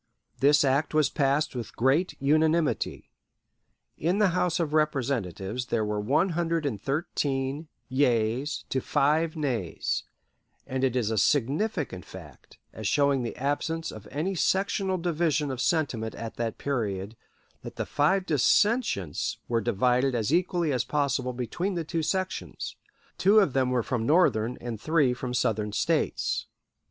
This act was passed with great unanimity. In the House of Representatives there were one hundred and thirteen (113) yeas to five (5) nays; and it is a significant fact, as showing the absence of any sectional division of sentiment at that period, that the five dissentients were divided as equally as possible between the two sections: two of them were from Northern and three from Southern States.